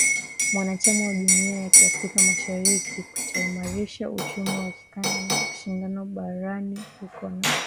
mwanachama wa Jumuiya ya Afrika Mashariki kutaimarisha uchumi wa kikanda na ushindani barani huko na kote duniani.